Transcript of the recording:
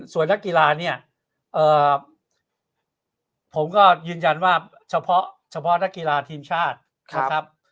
ส่วนนักกีฬาเนี่ยผมก็ยืนยันว่าเฉพาะเฉพาะนักกีฬาทีมชาตินะครับ